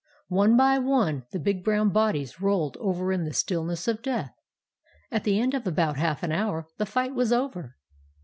"One by one the big brown bodies rolled over in the stillness of death. At the end of about half an hour the fight was over.